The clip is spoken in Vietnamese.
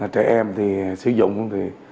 trẻ em thì sử dụng thì